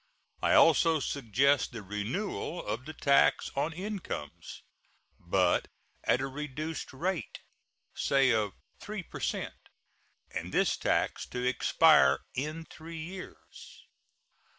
I also suggest the renewal of the tax on incomes, but at a reduced rate, say of 3 per cent, and this tax to expire in three years.